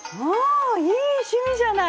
いい趣味じゃない！